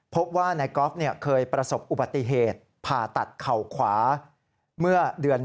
พบว่านายกอล์ฟเคยประสบอุบัติเหตุผ่าตัดเข่าขวาเมื่อเดือน